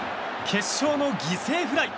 決勝の犠牲フライ！